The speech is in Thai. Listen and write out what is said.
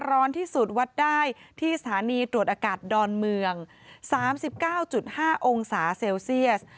ร้อนที่สุดวัดได้ที่สถานีตรวจอากาศดอนเมือง๓๙๕องศาเซลเซียส